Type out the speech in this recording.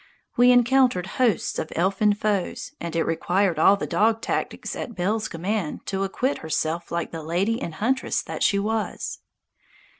We encountered hosts of elfin foes, and it required all the dog tactics at Belle's command to acquit herself like the lady and huntress that she was.